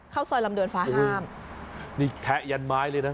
เข้าซอยลำดวนฟ้าห้ามนี่แทะยันไม้เลยนะ